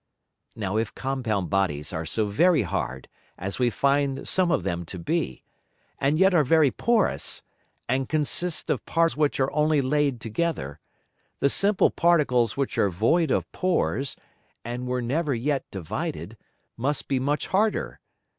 Now if compound Bodies are so very hard as we find some of them to be, and yet are very porous, and consist of Parts which are only laid together; the simple Particles which are void of Pores, and were never yet divided, must be much harder.